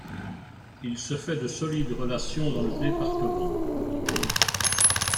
Il se fait de solides relations dans le département.